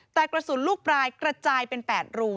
แต่กระสุนลูกปลายกระจายเป็น๘รู